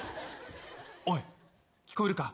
おい聞こえるか？